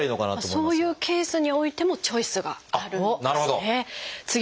そういうケースにおいてもチョイスがあるんですね。